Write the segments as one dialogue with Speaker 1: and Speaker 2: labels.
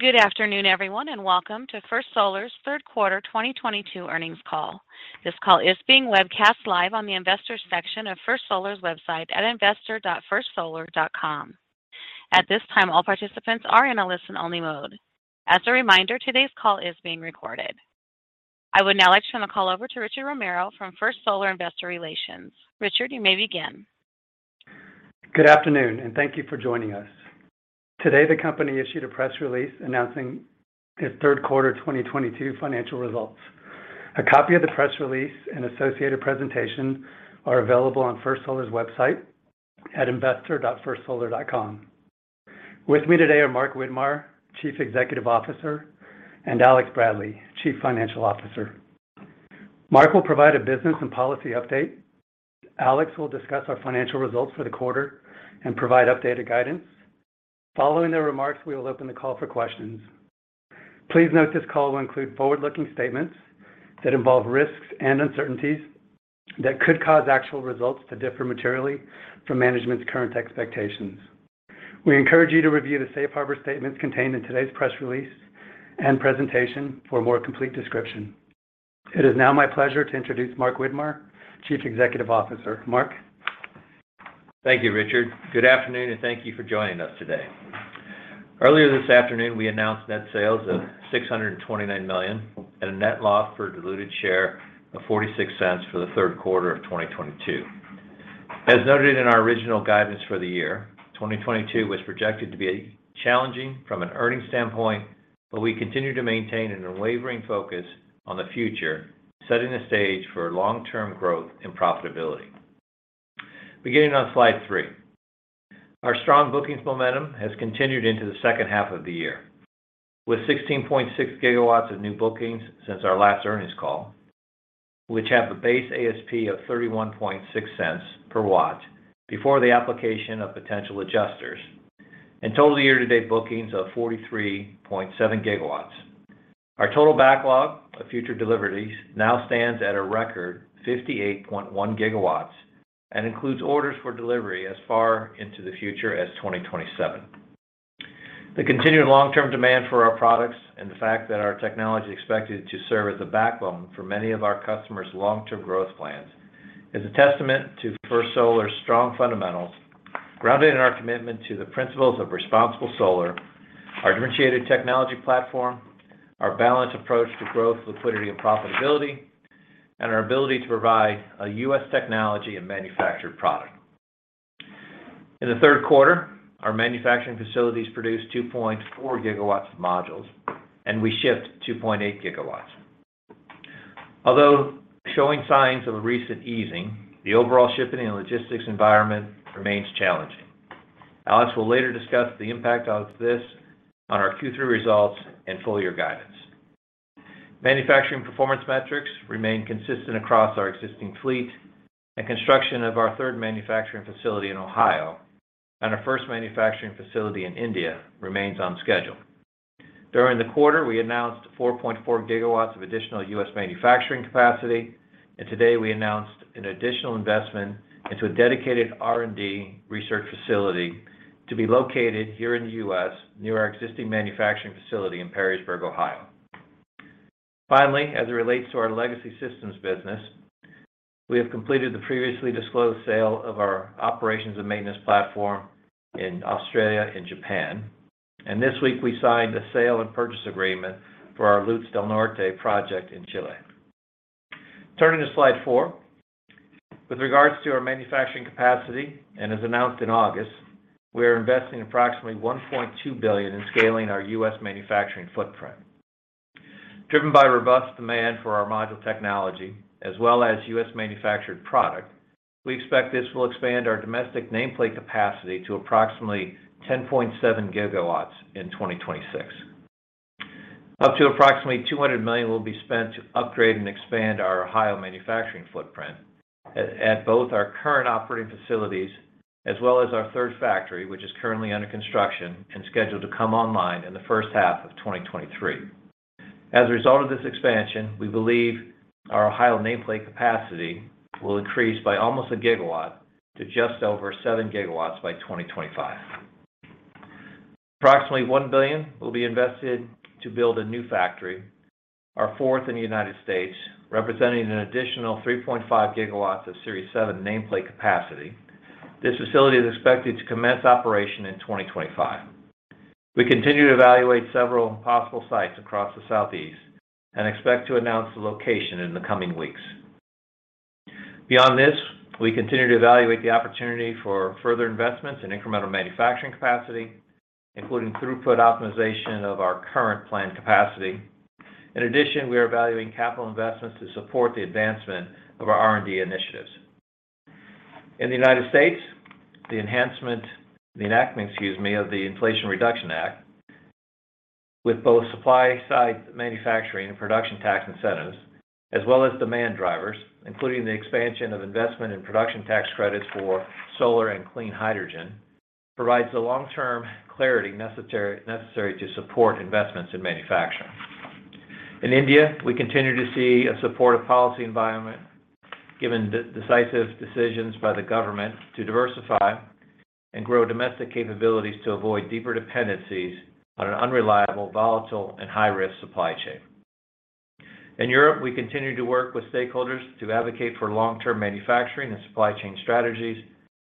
Speaker 1: Good afternoon, everyone, and welcome to First Solar's third quarter 2022 earnings call. This call is being webcast live on the Investors section of First Solar's website at investor.firstsolar.com. At this time, all participants are in a listen-only mode. As a reminder, today's call is being recorded. I would now like to turn the call over to Richard Romero from First Solar Investor Relations. Richard, you may begin.
Speaker 2: Good afternoon, and thank you for joining us. Today, the company issued a press release announcing its third quarter 2022 financial results. A copy of the press release and associated presentation are available on First Solar's website at investor.firstsolar.com. With me today are Mark Widmar, Chief Executive Officer, and Alex Bradley, Chief Financial Officer. Mark will provide a business and policy update. Alex will discuss our financial results for the quarter and provide updated guidance. Following their remarks, we will open the call for questions. Please note this call will include forward-looking statements that involve risks and uncertainties that could cause actual results to differ materially from management's current expectations. We encourage you to review the safe harbor statements contained in today's press release and presentation for a more complete description. It is now my pleasure to introduce Mark Widmar, Chief Executive Officer. Mark?
Speaker 3: Thank you, Richard. Good afternoon, and thank you for joining us today. Earlier this afternoon, we announced net sales of $629 million and a net loss per diluted share of $0.46 for the third quarter of 2022. As noted in our original guidance for the year, 2022 was projected to be challenging from an earnings standpoint, but we continue to maintain an unwavering focus on the future, setting the stage for long-term growth and profitability. Beginning on slide three. Our strong bookings momentum has continued into the second half of the year, with 16.6 GW of new bookings since our last earnings call, which have a base ASP of $0.316 per watt before the application of potential adjusters and total year-to-date bookings of 43.7 GW. Our total backlog of future deliveries now stands at a record 58.1 GW and includes orders for delivery as far into the future as 2027. The continued long-term demand for our products and the fact that our technology is expected to serve as a backbone for many of our customers' long-term growth plans is a testament to First Solar's strong fundamentals, grounded in our commitment to the principles of responsible solar, our differentiated technology platform, our balanced approach to growth, liquidity, and profitability, and our ability to provide a U.S. technology and manufactured product. In the third quarter, our manufacturing facilities produced 2.4 GW of modules, and we shipped 2.8 GW. Although showing signs of a recent easing, the overall shipping and logistics environment remains challenging. Alex will later discuss the impact of this on our Q3 results and full-year guidance. Manufacturing performance metrics remain consistent across our existing fleet, and construction of our third manufacturing facility in Ohio and our first manufacturing facility in India remains on schedule. During the quarter, we announced 4.4 GW of additional U.S. manufacturing capacity, and today we announced an additional investment into a dedicated R&D research facility to be located here in the U.S. near our existing manufacturing facility in Perrysburg, Ohio. Finally, as it relates to our legacy systems business, we have completed the previously disclosed sale of our operations and maintenance platform in Australia and Japan. This week, we signed a sale and purchase agreement for our Luz del Norte project in Chile. Turning to slide four. With regards to our manufacturing capacity, and as announced in August, we are investing approximately $1.2 billion in scaling our U.S. manufacturing footprint. Driven by robust demand for our module technology as well as U.S. manufactured product, we expect this will expand our domestic nameplate capacity to approximately 10.7 GW in 2026. Up to approximately $200 million will be spent to upgrade and expand our Ohio manufacturing footprint at both our current operating facilities as well as our third factory, which is currently under construction and scheduled to come online in the first half of 2023. As a result of this expansion, we believe our Ohio nameplate capacity will increase by almost a gigawatt to just over 7 GW by 2025. Approximately $1 billion will be invested to build a new factory, our fourth in the United States, representing an additional 3.5 GW of Series 7 nameplate capacity. This facility is expected to commence operation in 2025. We continue to evaluate several possible sites across the Southeast and expect to announce the location in the coming weeks. Beyond this, we continue to evaluate the opportunity for further investments in incremental manufacturing capacity, including throughput optimization of our current planned capacity. In addition, we are evaluating capital investments to support the advancement of our R&D initiatives. In the United States, the enactment, excuse me, of the Inflation Reduction Act with both supply-side manufacturing and production tax incentives, as well as demand drivers, including the expansion of investment in production tax credits for solar and clean hydrogen, provides the long-term clarity necessary to support investments in manufacturing. In India, we continue to see a supportive policy environment given decisive decisions by the government to diversify and grow domestic capabilities to avoid deeper dependencies on an unreliable, volatile, and high-risk supply chain. In Europe, we continue to work with stakeholders to advocate for long-term manufacturing and supply chain strategies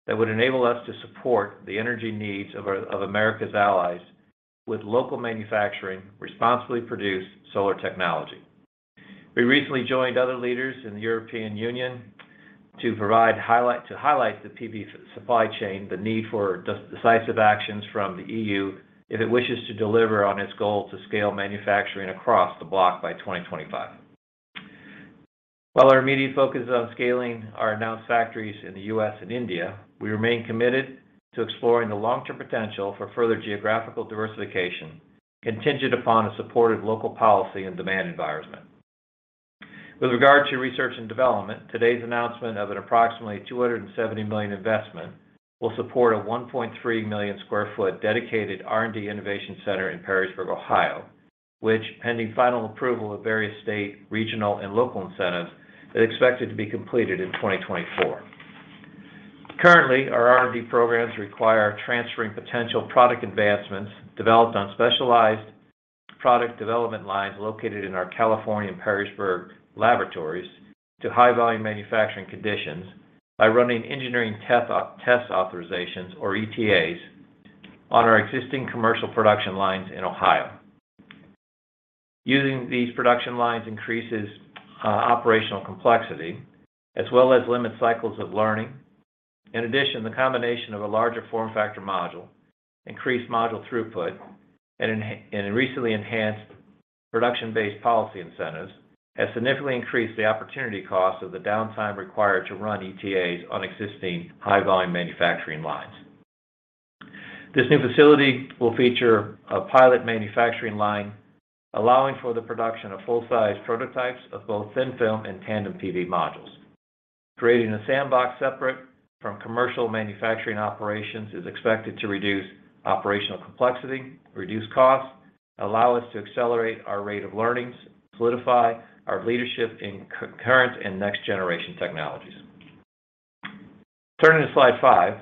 Speaker 3: that would enable us to support the energy needs of America's allies with local manufacturing, responsibly produced solar technology. We recently joined other leaders in the European Union to highlight the PV supply chain, the need for decisive actions from the EU if it wishes to deliver on its goal to scale manufacturing across the bloc by 2025. While our immediate focus is on scaling our announced factories in the U.S. and India, we remain committed to exploring the long-term potential for further geographical diversification contingent upon a supported local policy and demand environment. With regard to research and development, today's announcement of an approximately $270 million investment will support a 1.3 million sq ft dedicated R&D innovation center in Perrysburg, Ohio, which, pending final approval of various state, regional, and local incentives, is expected to be completed in 2024. Currently, our R&D programs require transferring potential product advancements developed on specialized product development lines located in our California and Perrysburg laboratories to high-volume manufacturing conditions by running engineering test authorizations, or ETAs, on our existing commercial production lines in Ohio. Using these production lines increases operational complexity as well as limits cycles of learning. In addition, the combination of a larger form factor module, increased module throughput, and recently enhanced production-based policy incentives has significantly increased the opportunity cost of the downtime required to run ETAs on existing high-volume manufacturing lines. This new facility will feature a pilot manufacturing line, allowing for the production of full-size prototypes of both thin-film and tandem PV modules. Creating a sandbox separate from commercial manufacturing operations is expected to reduce operational complexity, reduce costs, allow us to accelerate our rate of learnings, solidify our leadership in current and next-generation technologies. Turning to slide five,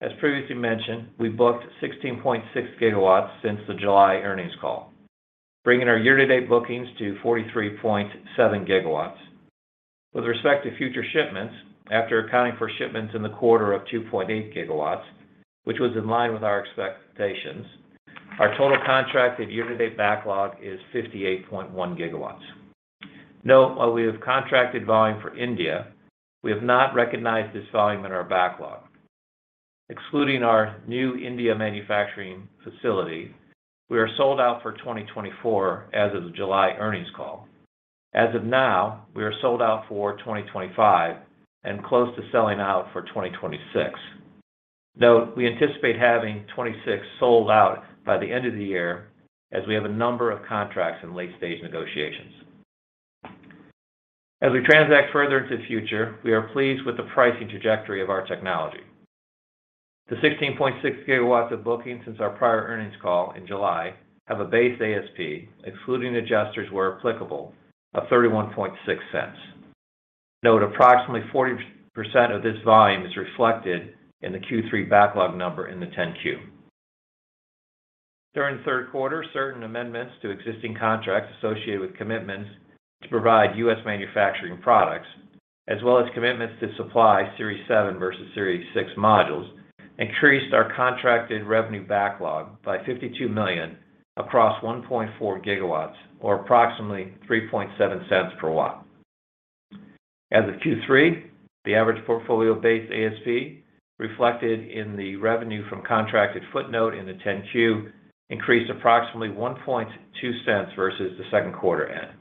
Speaker 3: as previously mentioned, we booked 16.6 GW since the July earnings call, bringing our year-to-date bookings to 43.7 GW. With respect to future shipments, after accounting for shipments in the quarter of 2.8 GW, which was in line with our expectations, our total contracted year-to-date backlog is 58.1 GW. Note, while we have contracted volume for India, we have not recognized this volume in our backlog. Excluding our new India manufacturing facility, we are sold out for 2024 as of the July earnings call. As of now, we are sold out for 2025 and close to selling out for 2026. Note, we anticipate having 2026 sold out by the end of the year as we have a number of contracts in late-stage negotiations. As we transact further into the future, we are pleased with the pricing trajectory of our technology. The 16.6 GW of bookings since our prior earnings call in July have a base ASP, excluding adjusters where applicable, of $0.316. Note, approximately 40% of this volume is reflected in the Q3 backlog number in the 10-Q. During the third quarter, certain amendments to existing contracts associated with commitments to provide U.S. manufacturing products, as well as commitments to supply Series 7 versus Series 6 modules, increased our contracted revenue backlog by $52 million across 1.4 GW or approximately $0.037 per watt. As of Q3, the average portfolio base ASP reflected in the revenue from contracted footnote in the 10-Q increased approximately $0.012 versus the second quarter end.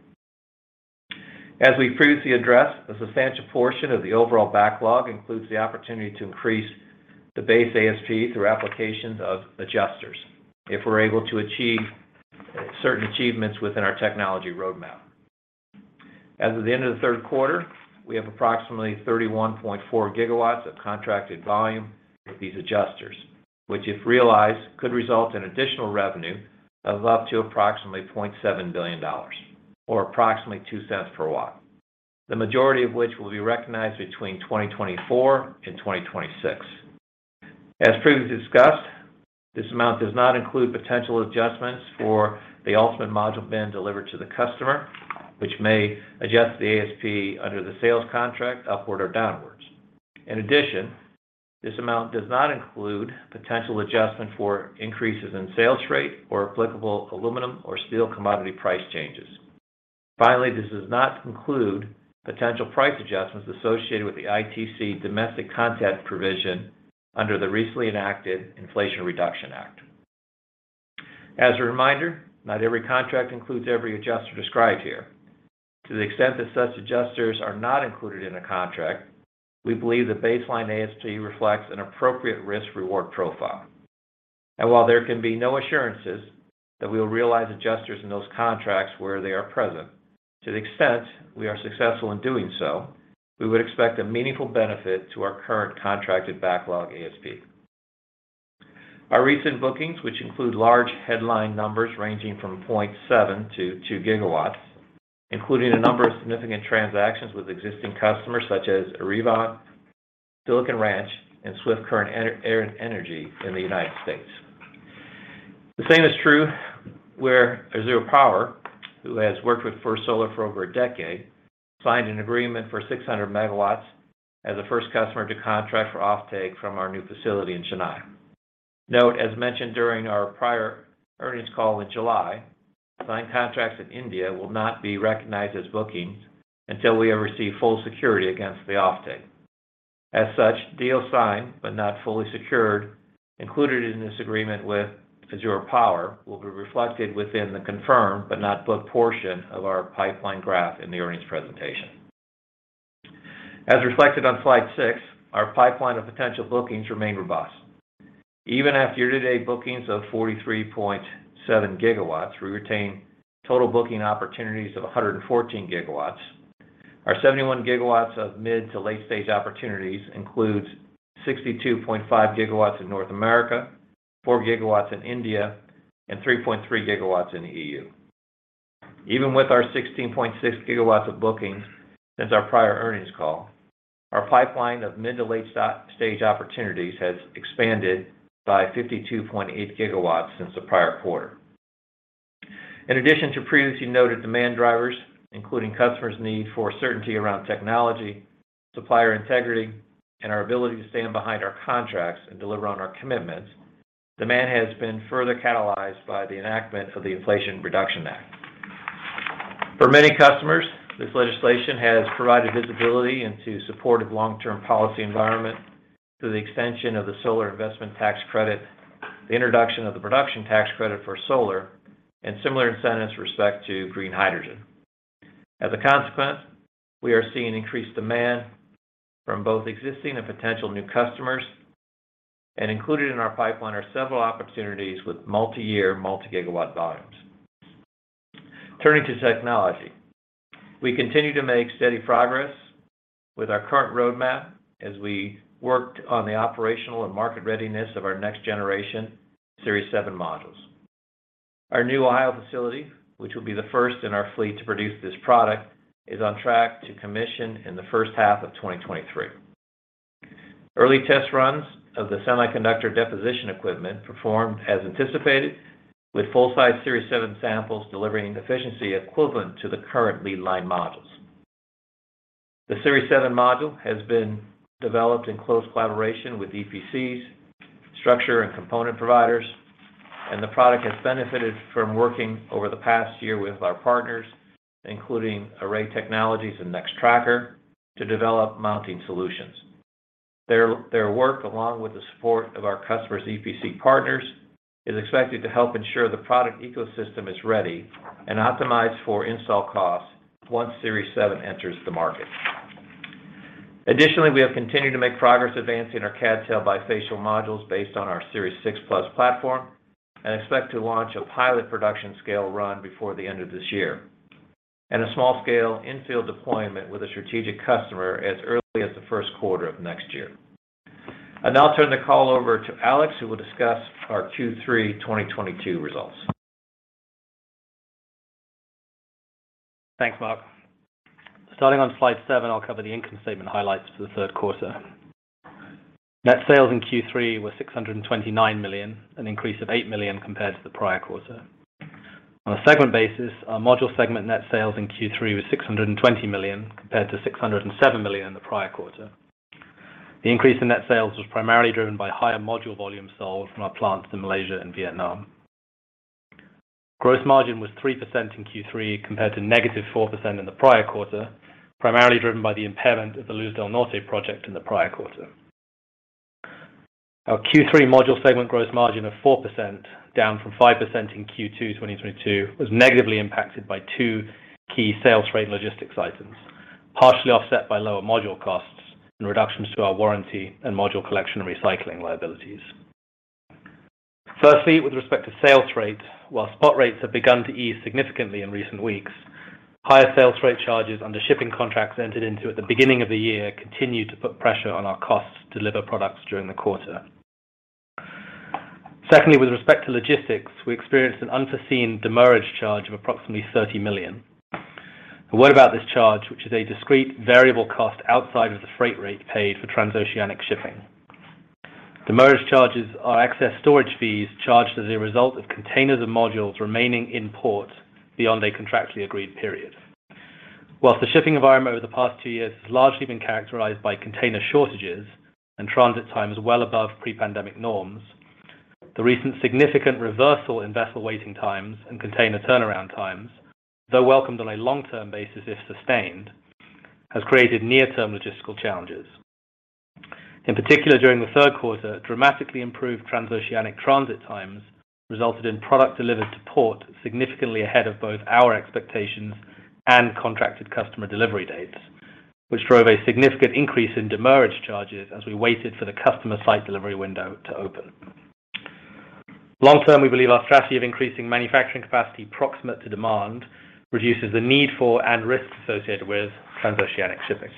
Speaker 3: As we previously addressed, a substantial portion of the overall backlog includes the opportunity to increase the base ASP through applications of adjusters if we're able to achieve certain achievements within our technology roadmap. As of the end of the third quarter, we have approximately 31.4 GW of contracted volume with these adjusters, which if realized, could result in additional revenue of up to approximately $0.7 billion or approximately $0.02 per watt. The majority of which will be recognized between 2024 and 2026. As previously discussed, this amount does not include potential adjustments for the ultimate module being delivered to the customer, which may adjust the ASP under the sales contract upward or downwards. In addition, this amount does not include potential adjustment for increases in sales rate or applicable aluminum or steel commodity price changes. Finally, this does not conclude potential price adjustments associated with the ITC domestic content provision under the recently enacted Inflation Reduction Act. As a reminder, not every contract includes every adjuster described here. To the extent that such adjusters are not included in a contract, we believe the baseline ASP reflects an appropriate risk-reward profile. While there can be no assurances that we will realize adjusters in those contracts where they are present, to the extent we are successful in doing so, we would expect a meaningful benefit to our current contracted backlog ASP. Our recent bookings, which include large headline numbers ranging from 0.7 GW-2 GW, including a number of significant transactions with existing customers such as AES, Silicon Ranch, and Swift Current Energy in the United States. The same is true where Azure Power, who has worked with First Solar for over a decade, signed an agreement for 600 MW as a first customer to contract for offtake from our new facility in Chennai. Note, as mentioned during our prior earnings call in July, signed contracts in India will not be recognized as bookings until we have received full security against the offtake. As such, deals signed but not fully secured, included in this agreement with Azure Power, will be reflected within the confirmed but not booked portion of our pipeline graph in the earnings presentation. As reflected on slide six, our pipeline of potential bookings remain robust. Even after year-to-date bookings of 43.7 GW, we retain total booking opportunities of 114 GW. Our 71 GW of mid to late stage opportunities includes 62.5 GW in North America, 4 GW in India, and 3.3 GW in the EU. Even with our 16.6 GW of bookings since our prior earnings call, our pipeline of mid- to late-stage opportunities has expanded by 52.8 GW since the prior quarter. In addition to previously noted demand drivers, including customers' need for certainty around technology, supplier integrity, and our ability to stand behind our contracts and deliver on our commitments, demand has been further catalyzed by the enactment of the Inflation Reduction Act. For many customers, this legislation has provided visibility into supportive long-term policy environment through the extension of the solar investment tax credit, the introduction of the production tax credit for solar, and similar incentives with respect to green hydrogen. As a consequence, we are seeing increased demand from both existing and potential new customers, and included in our pipeline are several opportunities with multi-year, multi-gigawatt volumes. Turning to technology. We continue to make steady progress with our current roadmap as we worked on the operational and market readiness of our next-generation Series 7 modules. Our new Ohio facility, which will be the first in our fleet to produce this product, is on track to commission in the first half of 2023. Early test runs of the semiconductor deposition equipment performed as anticipated, with full-size Series 7 samples delivering efficiency equivalent to the current pilot line modules. The Series 7 module has been developed in close collaboration with EPCs, structural and component providers, and the product has benefited from working over the past year with our partners, including Array Technologies and Nextracker, to develop mounting solutions. Their work, along with the support of our customers' EPC partners, is expected to help ensure the product ecosystem is ready and optimized for install costs once Series 7 enters the market. Additionally, we have continued to make progress advancing our CdTe bifacial modules based on our Series 6 Plus platform and expect to launch a pilot production scale run before the end of this year, and a small scale in-field deployment with a strategic customer as early as the first quarter of next year. I'll now turn the call over to Alex, who will discuss our Q3 2022 results.
Speaker 4: Thanks, Mark. Starting on slide seven, I'll cover the income statement highlights for the third quarter. Net sales in Q3 were $629 million, an increase of $8 million compared to the prior quarter. On a segment basis, our module segment net sales in Q3 was $620 million, compared to $607 million in the prior quarter. The increase in net sales was primarily driven by higher module volume sold from our plants in Malaysia and Vietnam. Gross margin was 3% in Q3 compared to -4% in the prior quarter, primarily driven by the impairment of the Luz del Norte project in the prior quarter. Our Q3 module segment gross margin of 4%, down from 5% in Q2 2022, was negatively impacted by two key freight rate logistics items, partially offset by lower module costs and reductions to our warranty and module collection and recycling liabilities. Firstly, with respect to sales rates, while spot rates have begun to ease significantly in recent weeks, higher freight rate charges under shipping contracts entered into at the beginning of the year continued to put pressure on our costs to deliver products during the quarter. Secondly, with respect to logistics, we experienced an unforeseen demurrage charge of approximately $30 million. A word about this charge, which is a discrete variable cost outside of the freight rate paid for transoceanic shipping. Demurrage charges are excess storage fees charged as a result of containers and modules remaining in port beyond a contractually agreed period. While the shipping environment over the past two years has largely been characterized by container shortages and transit times well above pre-pandemic norms, the recent significant reversal in vessel waiting times and container turnaround times, though welcomed on a long-term basis if sustained, has created near-term logistical challenges. In particular, during the third quarter, dramatically improved transoceanic transit times resulted in product delivered to port significantly ahead of both our expectations and contracted customer delivery dates, which drove a significant increase in demurrage charges as we waited for the customer site delivery window to open. Long term, we believe our strategy of increasing manufacturing capacity proximate to demand reduces the need for and risks associated with transoceanic shipping.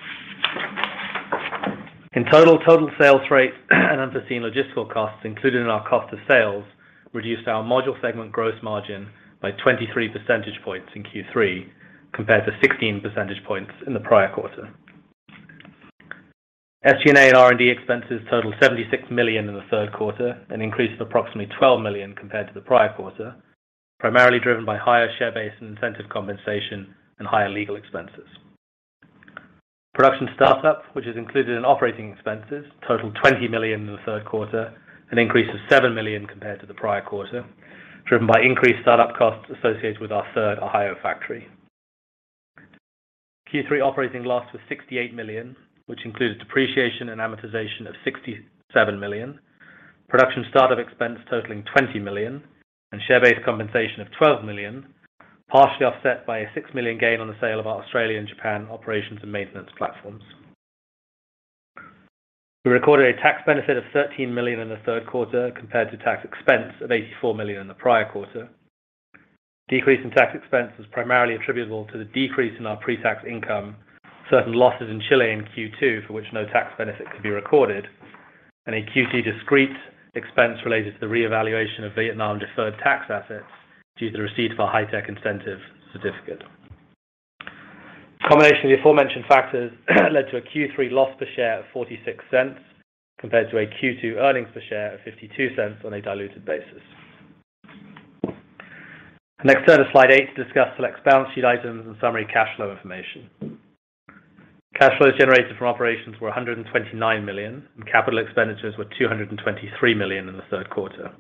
Speaker 4: In total, freight rate and unforeseen logistical costs included in our cost of sales reduced our module segment gross margin by 23 percentage points in Q3 compared to 16 percentage points in the prior quarter. SG&A and R&D expenses totaled $76 million in the third quarter, an increase of approximately $12 million compared to the prior quarter, primarily driven by higher share-based and incentive compensation and higher legal expenses. Production startup, which is included in operating expenses, totaled $20 million in the third quarter, an increase of $7 million compared to the prior quarter, driven by increased startup costs associated with our third Ohio factory. Q3 operating loss was $68 million, which includes depreciation and amortization of $67 million, production startup expense totaling $20 million, and share-based compensation of $12 million, partially offset by a $6 million gain on the sale of our Australia and Japan operations and maintenance platforms. We recorded a tax benefit of $13 million in the third quarter compared to tax expense of $84 million in the prior quarter. Decrease in tax expense was primarily attributable to the decrease in our pre-tax income, certain losses in Chile in Q2 for which no tax benefit could be recorded, and a Q2 discrete expense related to the reevaluation of Vietnam deferred tax assets due to the receipt of a high-tech incentive certificate. Combination of the aforementioned factors led to a Q3 loss per share of $0.46 compared to a Q2 earnings per share of $0.52 on a diluted basis. Next, turn to slide eight to discuss select balance sheet items and summary cash flow information. Cash flows generated from operations were $129 million, and capital expenditures were $223 million in the third quarter.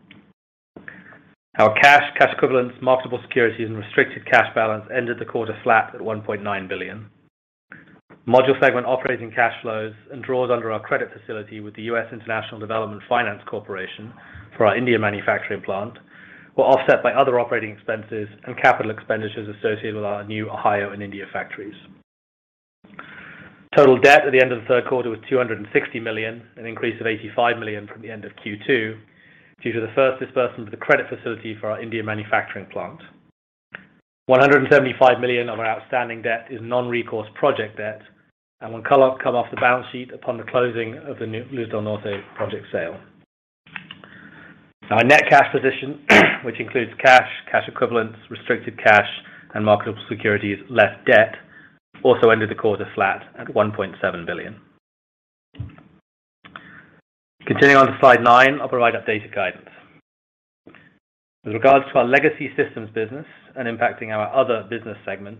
Speaker 4: Our cash equivalents, marketable securities, and restricted cash balance ended the quarter flat at $1.9 billion. Module segment operating cash flows and draws under our credit facility with the U.S. International Development Finance Corporation for our India manufacturing plant were offset by other operating expenses and capital expenditures associated with our new Ohio and India factories. Total debt at the end of the third quarter was $260 million, an increase of $85 million from the end of Q2 due to the first disbursement of the credit facility for our India manufacturing plant. $175 million of our outstanding debt is non-recourse project debt and will come off the balance sheet upon the closing of the new Luz del Norte project sale. Our net cash position, which includes cash equivalents, restricted cash, and marketable securities less debt, also ended the quarter flat at $1.7 billion. Continuing on to slide nine, I'll provide updated guidance. With regards to our legacy systems business and impacting our other business segment,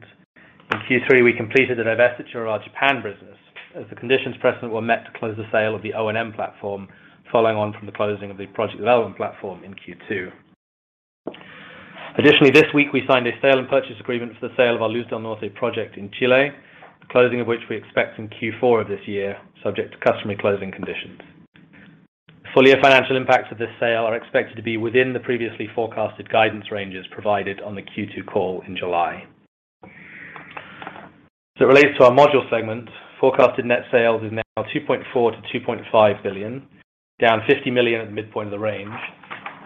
Speaker 4: in Q3, we completed the divestiture of our Japan business as the conditions precedent were met to close the sale of the O&M platform following on from the closing of the project development platform in Q2. Additionally, this week we signed a sale and purchase agreement for the sale of our Luz del Norte project in Chile, the closing of which we expect in Q4 of this year, subject to customary closing conditions. Full-year financial impacts of this sale are expected to be within the previously forecasted guidance ranges provided on the Q2 call in July. As it relates to our module segment, forecasted net sales is now $2.4 billion-$2.5 billion, down $50 million at the midpoint of the range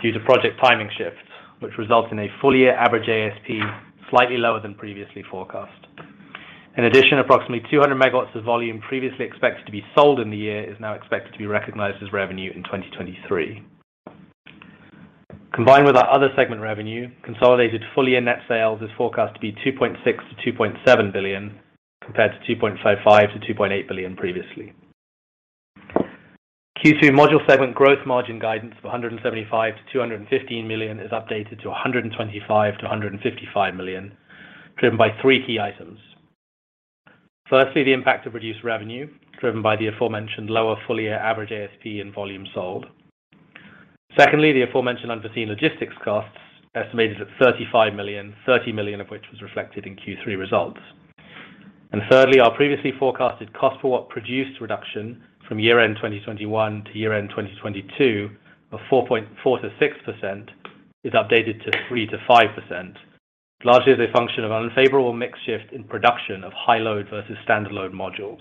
Speaker 4: due to project timing shifts, which results in a full-year average ASP slightly lower than previously forecast. In addition, approximately 200 MW of volume previously expected to be sold in the year is now expected to be recognized as revenue in 2023. Combined with our other segment revenue, consolidated full-year net sales is forecast to be $2.6 billion-$2.7 billion, compared to $2.55 billion-$2.8 billion previously. Q2 module segment gross margin guidance of $175 million-$215 million is updated to $125 million-$155 million, driven by three key items. Firstly, the impact of reduced revenue, driven by the aforementioned lower full-year average ASP and volume sold. Secondly, the aforementioned unforeseen logistics costs, estimated at $35 million, $30 million of which was reflected in Q3 results. Thirdly, our previously forecasted cost per watt produced reduction from year-end 2021 to year-end 2022 of 4.4%-6% is updated to 3%-5%, largely as a function of unfavorable mix shift in production of high load versus standard load modules.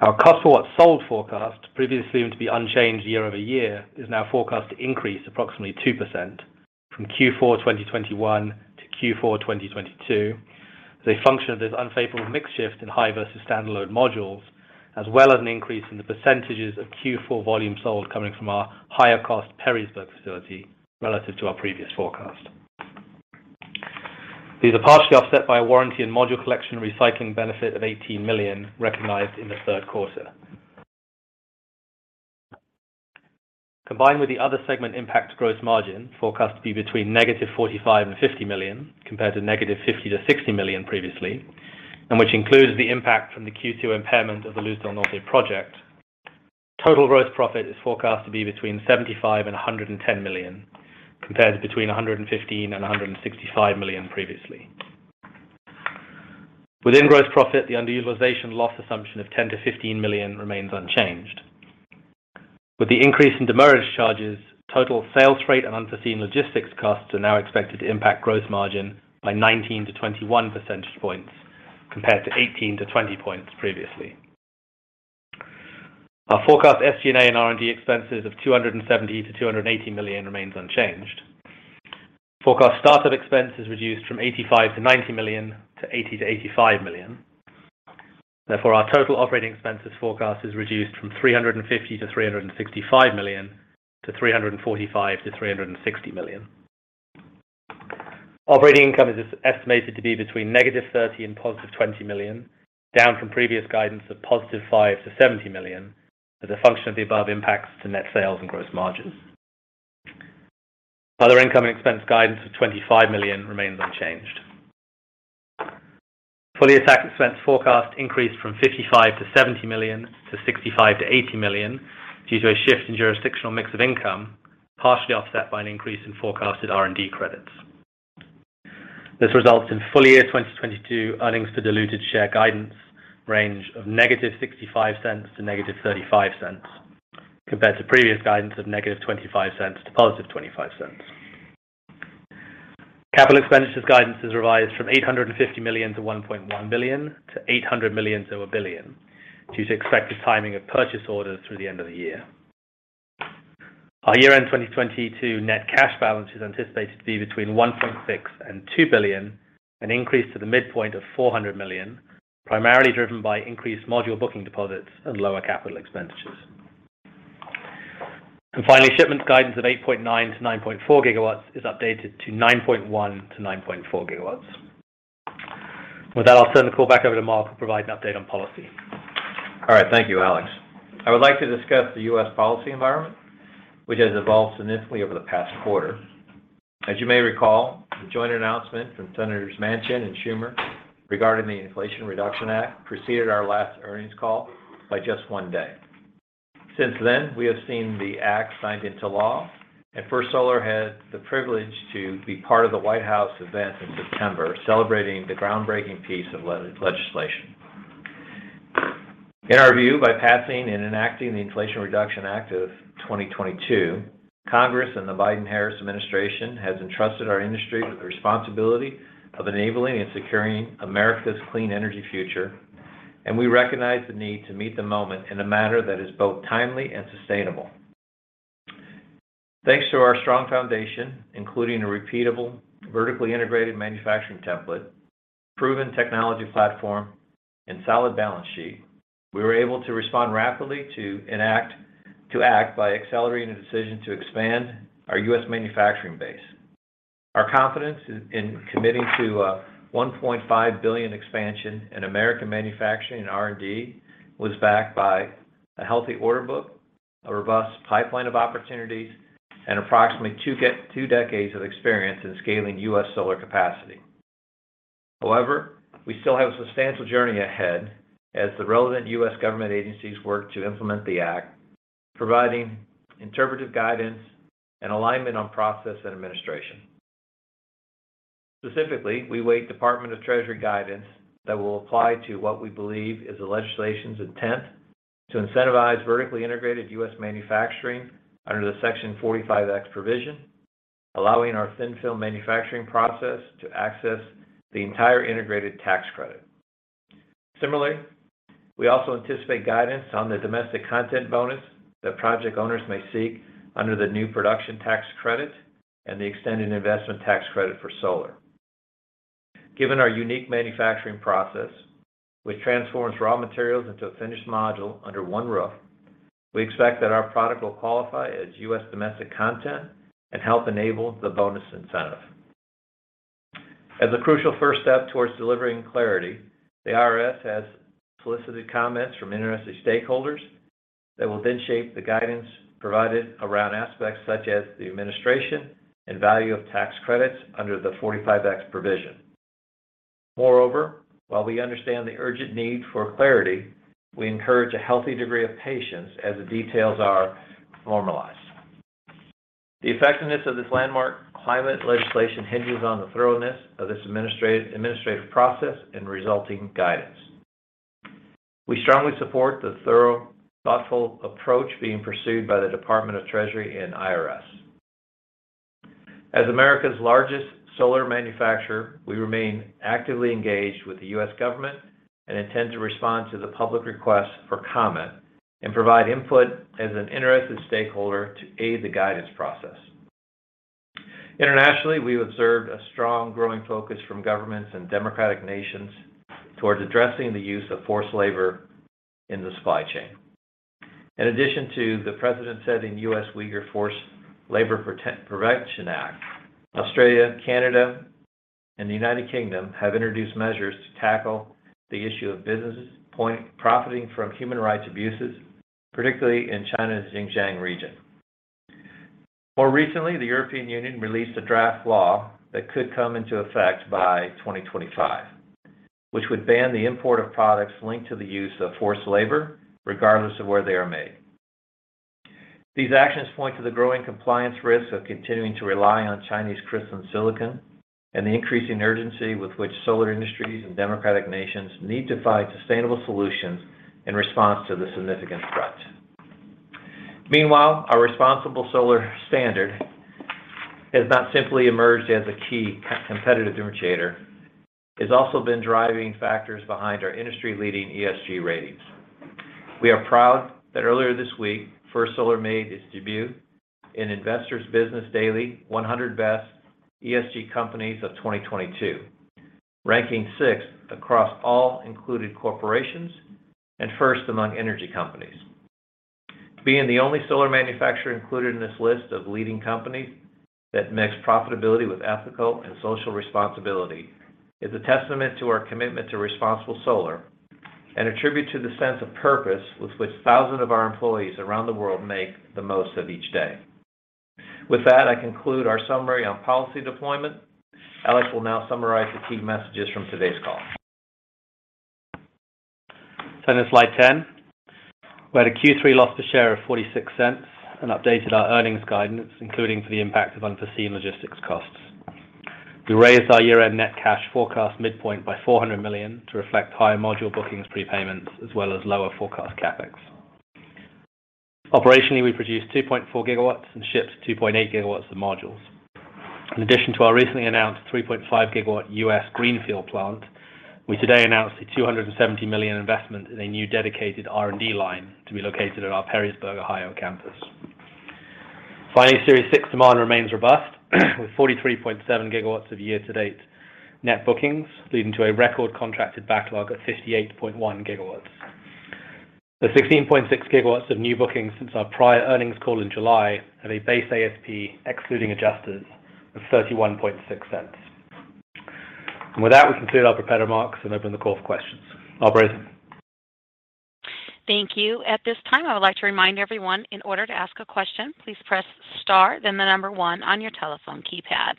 Speaker 4: Our cost per watt sold forecast, previously to be unchanged year-over-year, is now forecast to increase approximately 2% from Q4 2021 to Q4 2022 as a function of this unfavorable mix shift in high versus standard load modules, as well as an increase in the percentages of Q4 volume sold coming from our higher cost Perrysburg facility relative to our previous forecast. These are partially offset by a warranty and module collection recycling benefit of $18 million recognized in the third quarter. Combined with the other segment impact gross margin, forecast to be between -$45 million and $50 million compared to -$50 to $60 million previously, and which includes the impact from the Q2 impairment of the Luz del Norte project, total gross profit is forecast to be between $75 million and $110 million compared between $115 million and $165 million previously. Within gross profit, the underutilization loss assumption of $10 million-$15 million remains unchanged. With the increase in demurrage charges, total freight rate and unforeseen logistics costs are now expected to impact gross margin by 19-21 percentage points compared to 18-20 points previously. Our forecast SG&A and R&D expenses of $270 million-$280 million remains unchanged. Forecast startup expense is reduced from $85 million-$90 million to $80 million-$85 million. Therefore, our total operating expenses forecast is reduced from $350 million-$365 million to $345 million-$360 million. Operating income is estimated to be between -$30 million and $20 million, down from previous guidance of $5 million-$70 million as a function of the above impacts to net sales and gross margins. Other income and expense guidance of $25 million remains unchanged. Full-year tax expense forecast increased from $55 million-$70 million to $65 million-$80 million due to a shift in jurisdictional mix of income, partially offset by an increase in forecasted R&D credits. This results in full-year 2022 earnings per diluted share guidance range of -$0.65 to -$0.35, compared to previous guidance of -$0.25 to $0.25. Capital expenditures guidance is revised from $850 million-$1.1 billion to $800 million-$1 billion due to expected timing of purchase orders through the end of the year. Our year-end 2022 net cash balance is anticipated to be between $1.6 billion and $2 billion, an increase to the midpoint of $400 million, primarily driven by increased module booking deposits and lower capital expenditures. Finally, shipments guidance of 8.9 GW-9.4 GW is updated to 9.1 GW-9.4 GW. With that, I'll turn the call back over to Mark to provide an update on policy.
Speaker 3: All right. Thank you, Alex. I would like to discuss the U.S. policy environment, which has evolved significantly over the past quarter. As you may recall, the joint announcement from Senators Manchin and Schumer regarding the Inflation Reduction Act preceded our last earnings call by just one day. Since then, we have seen the Act signed into law, and First Solar had the privilege to be part of the White House event in September, celebrating the groundbreaking piece of legislation. In our view, by passing and enacting the Inflation Reduction Act of 2022, Congress and the Biden-Harris administration has entrusted our industry with the responsibility of enabling and securing America's clean energy future, and we recognize the need to meet the moment in a manner that is both timely and sustainable. Thanks to our strong foundation, including a repeatable, vertically integrated manufacturing template, proven technology platform, and solid balance sheet, we were able to respond rapidly to act by accelerating a decision to expand our U.S. manufacturing base. Our confidence in committing to $1.5 billion expansion in American manufacturing and R&D was backed by a healthy order book, a robust pipeline of opportunities, and approximately two decades of experience in scaling U.S. solar capacity. However, we still have a substantial journey ahead as the relevant U.S. government agencies work to implement the Act, providing interpretive guidance and alignment on process and administration. Specifically, we await Department of the Treasury guidance that will apply to what we believe is the legislation's intent to incentivize vertically integrated U.S. manufacturing under the Section 45X provision, allowing our thin-film manufacturing process to access the entire integrated tax credit. Similarly, we also anticipate guidance on the domestic content bonus that project owners may seek under the new production tax credit and the extended investment tax credit for solar. Given our unique manufacturing process, which transforms raw materials into a finished module under one roof, we expect that our product will qualify as U.S. domestic content and help enable the bonus incentive. As a crucial first step towards delivering clarity, the IRS has solicited comments from interested stakeholders that will then shape the guidance provided around aspects such as the administration and value of tax credits under the Section 45X provision. Moreover, while we understand the urgent need for clarity, we encourage a healthy degree of patience as the details are formalized. The effectiveness of this landmark climate legislation hinges on the thoroughness of this administrative process and resulting guidance. We strongly support the thorough, thoughtful approach being pursued by the Department of the Treasury and IRS. As America's largest solar manufacturer, we remain actively engaged with the U.S. government and intend to respond to the public request for comment and provide input as an interested stakeholder to aid the guidance process. Internationally, we've observed a strong growing focus from governments and democratic nations towards addressing the use of forced labor in the supply chain. In addition to the precedent-setting U.S. Uyghur Forced Labor Prevention Act, Australia, Canada, and the United Kingdom have introduced measures to tackle the issue of businesses profiting from human rights abuses, particularly in China's Xinjiang region. More recently, the European Union released a draft law that could come into effect by 2025, which would ban the import of products linked to the use of forced labor, regardless of where they are made. These actions point to the growing compliance risks of continuing to rely on Chinese crystalline silicon and the increasing urgency with which solar industries and democratic nations need to find sustainable solutions in response to this significant threat. Meanwhile, our responsible solar standard has not simply emerged as a key competitive differentiator, it's also been driving factors behind our industry-leading ESG ratings. We are proud that earlier this week, First Solar made its debut in Investor's Business Daily 100 Best ESG Companies of 2022, ranking sixth across all included corporations and first among energy companies. Being the only solar manufacturer included in this list of leading companies that mix profitability with ethical and social responsibility is a testament to our commitment to responsible solar and a tribute to the sense of purpose with which thousands of our employees around the world make the most of each day. With that, I conclude our summary on policy deployment. Alex will now summarize the key messages from today's call.
Speaker 4: In slide 10, we had a Q3 loss per share of $0.46 and updated our earnings guidance, including for the impact of unforeseen logistics costs. We raised our year-end net cash forecast midpoint by $400 million to reflect higher module bookings prepayments as well as lower forecast CapEx. Operationally, we produced 2.4 GW and shipped 2.8 GW of modules. In addition to our recently announced 3.5 GW U.S. greenfield plant, we today announced a $270 million investment in a new dedicated R&D line to be located at our Perrysburg, Ohio campus. Finally, Series 6 demand remains robust with 43.7 GW of year-to-date net bookings, leading to a record contracted backlog of 58.1 GW. The 16.6 GW of new bookings since our prior earnings call in July have a base ASP, excluding adjusters, of $0.316. With that, we conclude our prepared remarks and open the call for questions. Operator.
Speaker 1: Thank you. At this time, I would like to remind everyone, in order to ask a question, please press star then the number one on your telephone keypad.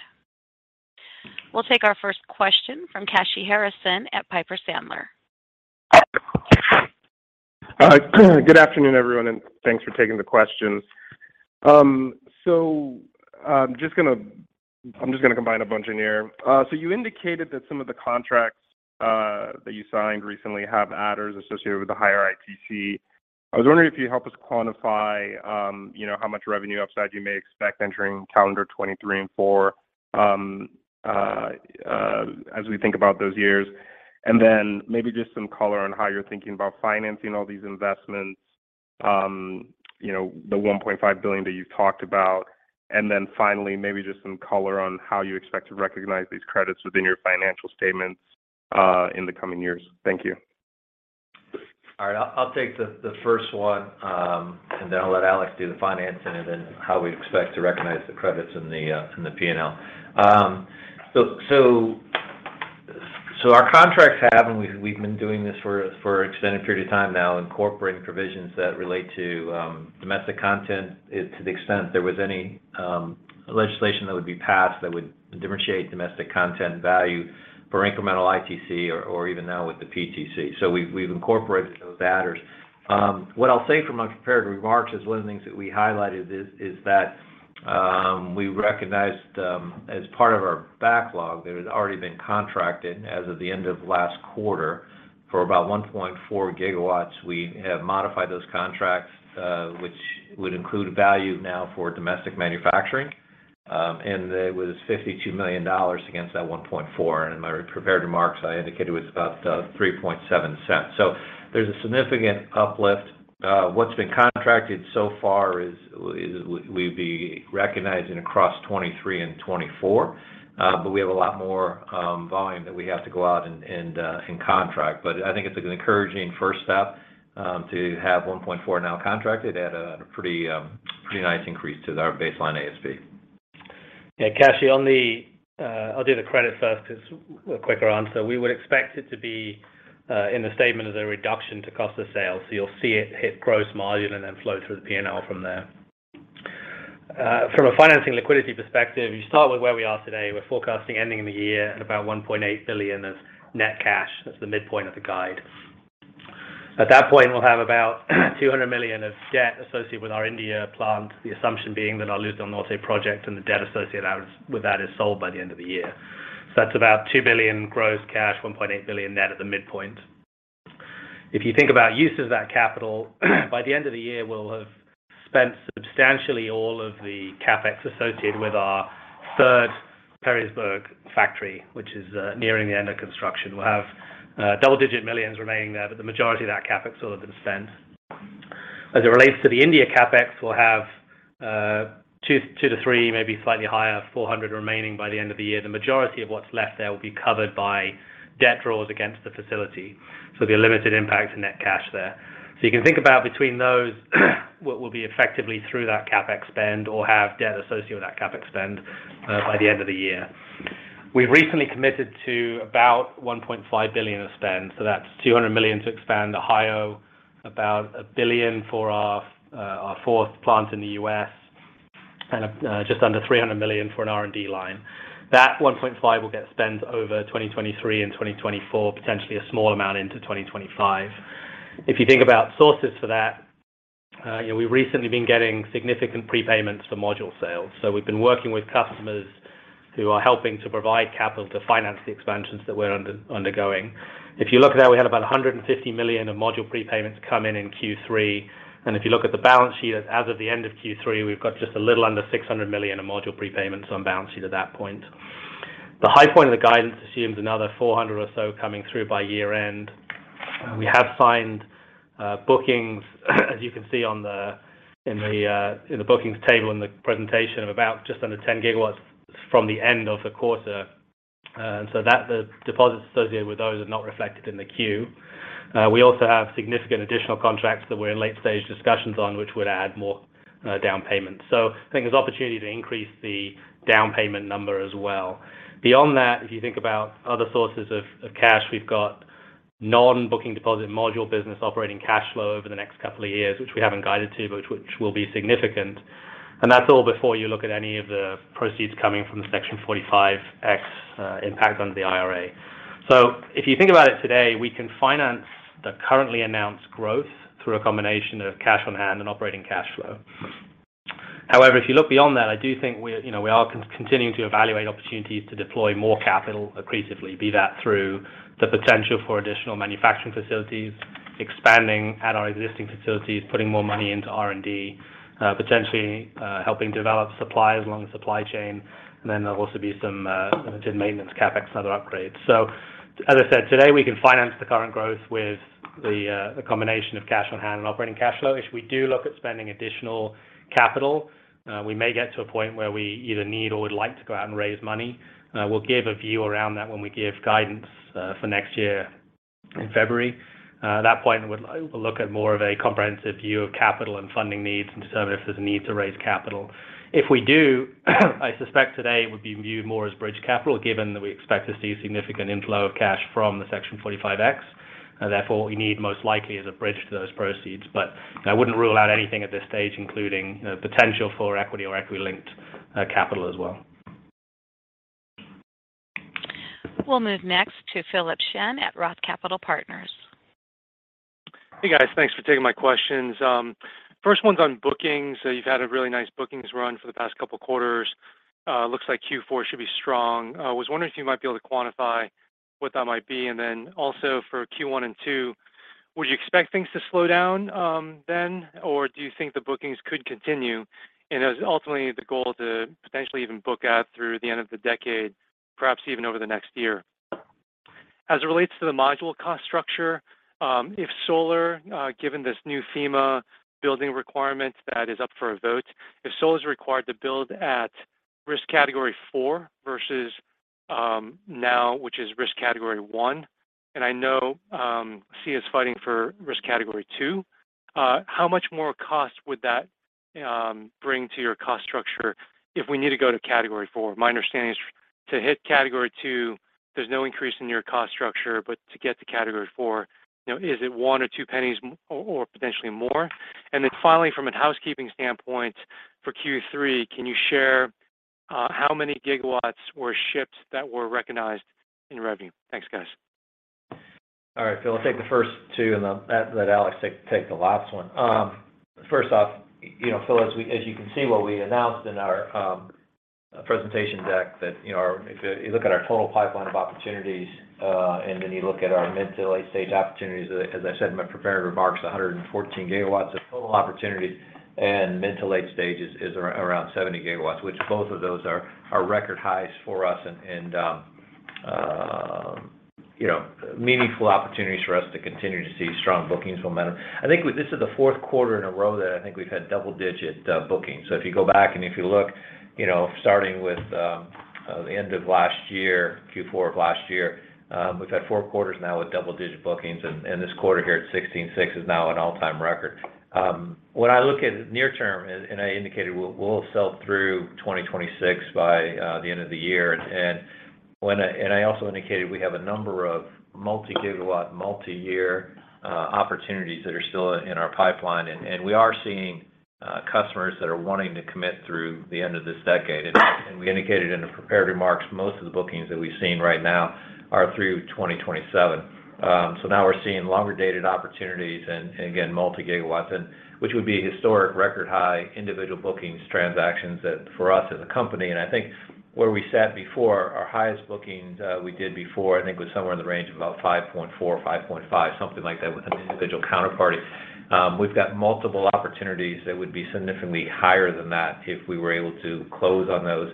Speaker 1: We'll take our first question from Kashy Harrison at Piper Sandler.
Speaker 5: Good afternoon, everyone, and thanks for taking the questions. I'm just gonna combine a bunch in here. You indicated that some of the contracts that you signed recently have adders associated with the higher ITC. I was wondering if you help us quantify, you know, how much revenue upside you may expect entering calendar 2023 and 2024, as we think about those years. Then maybe just some color on how you're thinking about financing all these investments, you know, the $1.5 billion that you talked about. Then finally, maybe just some color on how you expect to recognize these credits within your financial statements in the coming years. Thank you.
Speaker 3: All right. I'll take the first one, and then I'll let Alex do the financing and then how we expect to recognize the credits in the P&L. Our contracts have, and we've been doing this for an extended period of time now, incorporating provisions that relate to domestic content to the extent that there was any legislation that would be passed that would differentiate domestic content value for incremental ITC or even now with the PTC. We've incorporated those adders. What I'll say from my prepared remarks is one of the things that we highlighted is that we recognized as part of our backlog that had already been contracted as of the end of last quarter for about 1.4 GW. We have modified those contracts, which would include value now for domestic manufacturing, and it was $52 million against that $1.4. In my prepared remarks, I indicated it was about $0.037. There's a significant uplift. What's been contracted so far is we'd be recognizing across 2023 and 2024, but we have a lot more volume that we have to go out and contract. I think it's an encouraging first step to have 1.4 now contracted at a pretty nice increase to our baseline ASP.
Speaker 4: Yeah. Kashy Harrison, on the credit first 'cause it's a quicker answer. We would expect it to be in the statement as a reduction to cost of sales. You'll see it hit gross margin and then flow through the P&L from there. From a financing liquidity perspective, you start with where we are today. We're forecasting ending the year at about $1.8 billion of net cash. That's the midpoint of the guide. At that point, we'll have about $200 million of debt associated with our India plant, the assumption being that our Luz del Norte project and the debt associated with that is sold by the end of the year. That's about $2 billion gross cash, $1.8 billion net at the midpoint. If you think about use of that capital, by the end of the year, we'll have spent substantially all of the CapEx associated with our third Perrysburg factory, which is nearing the end of construction. We'll have double-digit millions remaining there, but the majority of that CapEx will have been spent. As it relates to the India CapEx, we'll have $200 million to $300 million, maybe slightly higher, $400 million remaining by the end of the year. The majority of what's left there will be covered by debt draws against the facility, so there'll be a limited impact to net cash there. You can think about between those what will be effectively through that CapEx spend or have debt associated with that CapEx spend by the end of the year. We've recently committed to about $1.5 billion of spend, so that's $200 million to expand Ohio, about $1 billion for our fourth plant in the U.S., and just under $300 million for an R&D line. That $1.5 billion will get spent over 2023 and 2024, potentially a small amount into 2025. If you think about sources for that, you know, we've recently been getting significant prepayments for module sales. We've been working with customers. Who are helping to provide capital to finance the expansions that we're undergoing. If you look at that, we had about $150 million of module prepayments come in in Q3. If you look at the balance sheet, as of the end of Q3, we've got just under $600 million in module prepayments on balance sheet at that point. The high point of the guidance assumes another $400 million or so coming through by year-end. We have signed bookings, as you can see in the bookings table in the presentation, of about just under 10 GW from the end of the quarter. The deposits associated with those are not reflected in the Q. We also have significant additional contracts that we're in late-stage discussions on, which would add more down payments. I think there's opportunity to increase the down payment number as well. Beyond that, if you think about other sources of cash, we've got non-booking deposit module business operating cash flow over the next couple of years, which we haven't guided to, but which will be significant. That's all before you look at any of the proceeds coming from the Section 45X impact on the IRA. If you think about it today, we can finance the currently announced growth through a combination of cash on hand and operating cash flow. However, if you look beyond that, I do think we're, you know, we are continuing to evaluate opportunities to deploy more capital aggressively, be that through the potential for additional manufacturing facilities, expanding at our existing facilities, putting more money into R&D, potentially, helping develop suppliers along the supply chain. There'll also be some of the maintenance CapEx and other upgrades. As I said, today, we can finance the current growth with the combination of cash on-hand and operating cash flow. If we do look at spending additional capital, we may get to a point where we either need or would like to go out and raise money. We'll give a view around that when we give guidance for next year in February. At that point, we'll look at more of a comprehensive view of capital and funding needs and determine if there's a need to raise capital. If we do, I suspect today it would be viewed more as bridge capital, given that we expect to see a significant inflow of cash from the Section 45X. Therefore, what we need most likely is a bridge to those proceeds. But I wouldn't rule out anything at this stage, including, you know, potential for equity or equity-linked capital as well.
Speaker 1: We'll move next to Philip Shen at Roth Capital Partners.
Speaker 6: Hey, guys. Thanks for taking my questions. First one's on bookings. You've had a really nice bookings run for the past couple of quarters. Looks like Q4 should be strong. I was wondering if you might be able to quantify what that might be. Then also for Q1 and Q2, would you expect things to slow down, then? Do you think the bookings could continue? Is ultimately the goal to potentially even book out through the end of the decade, perhaps even over the next year. As it relates to the module cost structure, if solar, given this new FEMA building requirement that is up for a vote, if solar is required to build at risk category four versus now, which is Risk Category I, and I know, SEIA is fighting for Risk Category II, how much more cost would that bring to your cost structure if we need to go to Category IV? My understanding is to hit category two, there's no increase in your cost structure, but to get to category four, you know, is it one or $0.02 or potentially more? Finally, from a housekeeping standpoint, for Q3, can you share how many gigawatts were shipped that were recognized in revenue? Thanks, guys.
Speaker 3: All right, Phil, I'll take the first two, and I'll let Alex take the last one. First off, you know, Phil, as you can see what we announced in our presentation deck that, you know, if you look at our total pipeline of opportunities, and then you look at our mid to late stage opportunities, as I said in my prepared remarks, 114 GW of total opportunities and mid to late stage is around 70 GW, which both of those are record highs for us and, you know, meaningful opportunities for us to continue to see strong bookings momentum. I think this is the fourth quarter in a row that I think we've had double-digit bookings. If you go back and if you look, you know, starting with the end of last year, Q4 of last year, we've had four quarters now with double-digit bookings, and this quarter here at 16.6 is now an all-time record. When I look at near term, and I indicated, we'll sell through 2026 by the end of the year. When I also indicated we have a number of multi-gigawatt, multi-year opportunities that are still in our pipeline. We are seeing customers that are wanting to commit through the end of this decade. We indicated in the prepared remarks, most of the bookings that we've seen right now are through 2027. Now we're seeing longer-dated opportunities and again, multi-gigawatt, and which would be historic record high individual bookings transactions that for us as a company. I think where we sat before, our highest bookings we did before, I think was somewhere in the range of about 5.4 or 5.5, something like that with an individual counterparty. We've got multiple opportunities that would be significantly higher than that if we were able to close on those.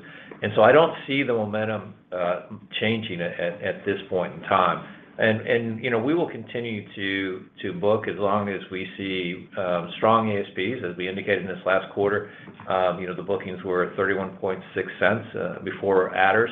Speaker 3: I don't see the momentum changing at this point in time. You know, we will continue to book as long as we see strong ASPs. As we indicated in this last quarter, you know, the bookings were at $0.316 before adders.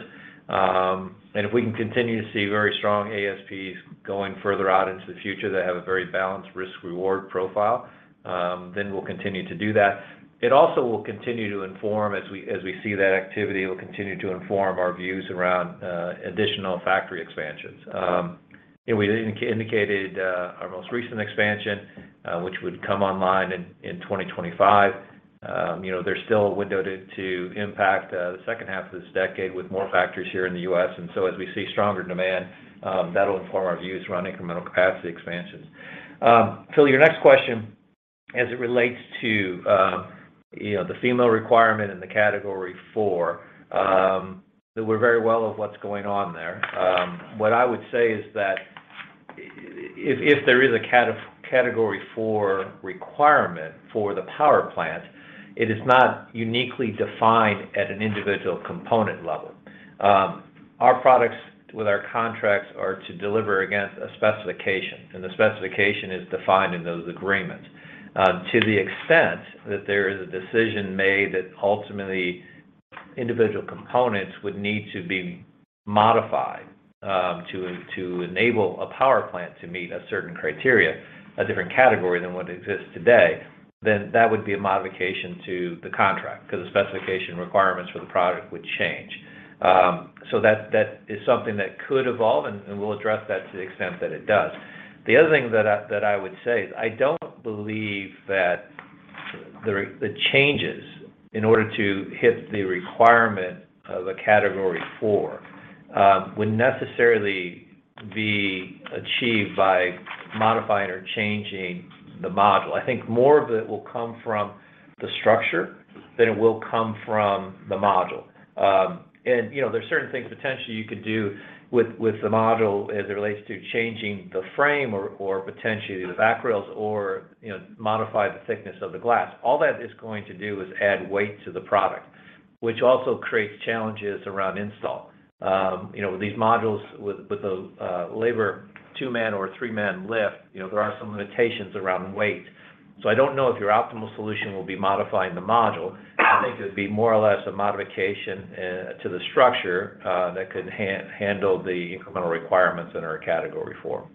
Speaker 3: If we can continue to see very strong ASPs going further out into the future that have a very balanced risk-reward profile, then we'll continue to do that. It also will continue to inform as we see that activity. It will continue to inform our views around additional factory expansions. We indicated our most recent expansion, which would come online in 2025. You know, there's still a window to impact the second half of this decade with more factories here in the U.S. As we see stronger demand, that'll inform our views around incremental capacity expansions. Phil, your next question. As it relates to, you know, the FEMA requirement in the Category 4, that we're very well aware of what's going on there. What I would say is that if there is a Category 4 requirement for the power plant, it is not uniquely defined at an individual component level. Our products with our contracts are to deliver against a specification, and the specification is defined in those agreements. To the extent that there is a decision made that ultimately individual components would need to be modified, to enable a power plant to meet a certain criteria, a different category than what exists today, then that would be a modification to the contract because the specification requirements for the product would change. That is something that could evolve, and we'll address that to the extent that it does. The other thing that I would say is I don't believe that the changes in order to hit the requirement of a category four would necessarily be achieved by modifying or changing the module. I think more of it will come from the structure than it will come from the module. You know, there's certain things potentially you could do with the module as it relates to changing the frame or potentially the back rails or, you know, modify the thickness of the glass. All that is going to do is add weight to the product, which also creates challenges around install. You know, these modules with the labor two-man or three-man lift, you know, there are some limitations around weight. I don't know if your optimal solution will be modifying the module. I think it would be more or less a modification to the structure that could handle the incremental requirements in our category four.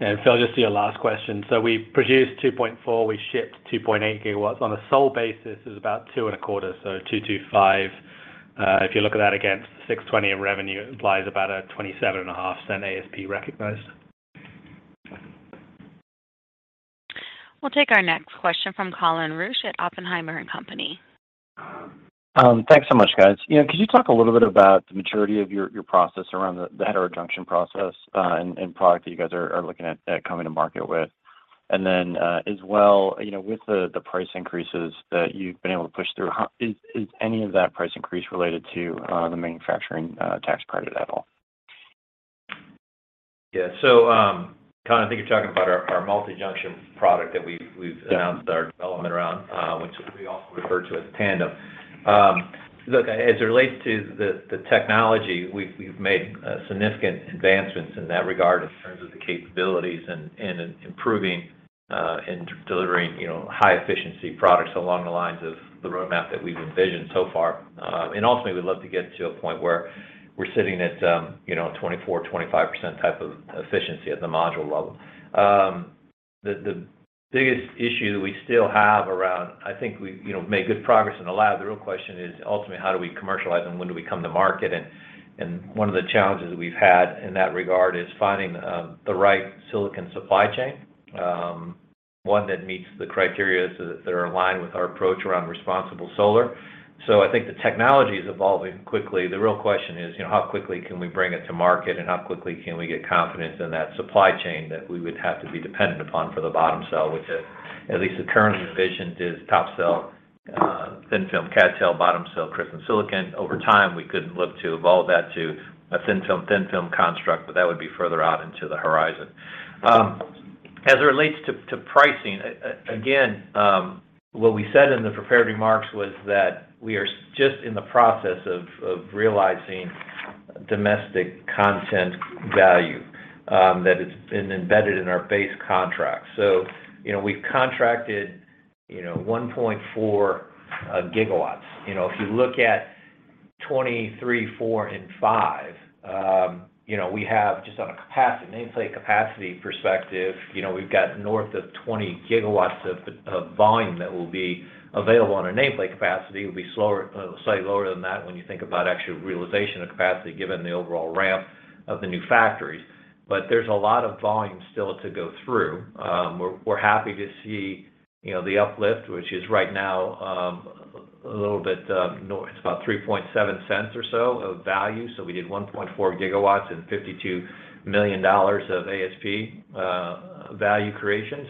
Speaker 4: Phil, just to your last question. We produced 2.4 GW, we shipped 2.8 GW. On a sold basis, it was about $2.25, so $2.25. If you look at that against the $620 in revenue, it implies about a 27.5 ASP recognized.
Speaker 1: We'll take our next question from Colin Rusch at Oppenheimer & Company.
Speaker 7: Thanks so much, guys. You know, could you talk a little bit about the maturity of your process around the heterojunction process and product that you guys are looking at coming to market with? Then, as well, you know, with the price increases that you've been able to push through, how is any of that price increase related to the manufacturing tax credit at all?
Speaker 3: Yeah. Colin, I think you're talking about our multi-junction product that we've
Speaker 7: Yeah.
Speaker 3: Announced our development around, which we also refer to as Tandem. Look, as it relates to the technology, we've made significant advancements in that regard in terms of the capabilities and in improving and delivering, you know, high efficiency products along the lines of the roadmap that we've envisioned so far. Ultimately, we'd love to get to a point where we're sitting at, you know, 24%-25% type of efficiency at the module level. The biggest issue that we still have around, I think we've, you know, made good progress in the lab. The real question is ultimately how do we commercialize and when do we come to market? One of the challenges we've had in that regard is finding the right silicon supply chain, one that meets the criteria so that they're aligned with our approach around responsible solar. I think the technology is evolving quickly. The real question is, you know, how quickly can we bring it to market, and how quickly can we get confidence in that supply chain that we would have to be dependent upon for the bottom cell, which at least the current vision is top cell thin-film CdTe bottom cell crystalline silicon. Over time, we could look to evolve that to a thin-film thin-film construct, but that would be further out into the horizon. As it relates to pricing, again, what we said in the prepared remarks was that we are just in the process of realizing domestic content value that has been embedded in our base contract. You know, we've contracted 1.4 GW. You know, if you look at 2023, 2024, and 2025, you know, we have just on a capacity, nameplate capacity perspective, you know, we've got north of 20 GW of volume that will be available on our nameplate capacity. It will be slower, slightly lower than that when you think about actual realization of capacity given the overall ramp of the new factories. There's a lot of volume still to go through. We're happy to see, you know, the uplift, which is right now, a little bit, north. It's about $0.037 or so of value. We did 1.4 GW and $52 million of ASP value creation.